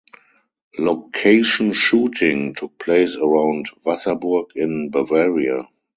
Location shooting took place around Wasserburg in Bavaria.